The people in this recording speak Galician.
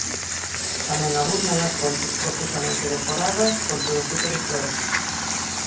Tamén abundan as fontes profusamente decoradas con todo tipo de flores.